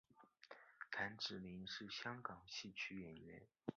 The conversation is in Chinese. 谭芷翎是香港戏剧演员。